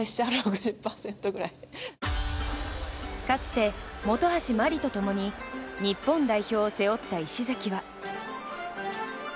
かつて本橋麻里と共に日本代表を背負った石崎は。